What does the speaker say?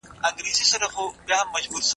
دورکهايم کولای سوای علتونه پيدا کړي.